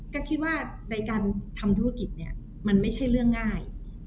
ก็คิดว่าในการทำธุรกิจเนี่ยมันไม่ใช่เรื่องง่าย